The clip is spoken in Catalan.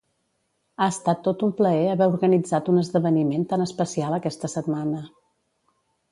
Ha estat tot un plaer haver organitzat un esdeveniment tan especial aquesta setmana.